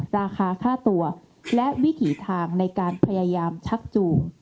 ราคาค่าตัวและวิถีทางในการพยายามชักจูง